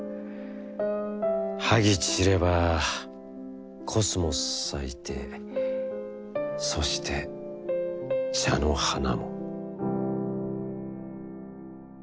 萩ちればコスモス咲いてそして茶の花も」。